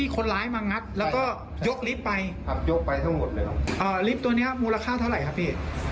ครับสองตัวประมาณหลายละหกนาที